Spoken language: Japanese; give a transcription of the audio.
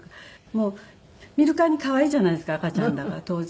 もう見るからに可愛いじゃないですか赤ちゃんだから当然。